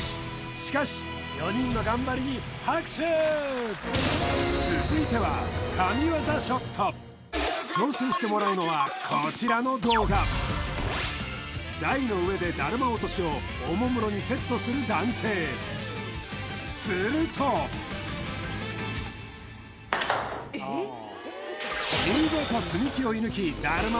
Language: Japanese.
しかし４人の頑張りに拍手続いては挑戦してもらうのはこちらの動画台の上でだるま落としをおもむろにセットする男性すると見事積み木を射ぬきだるま